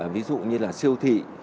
ví dụ như là siêu thị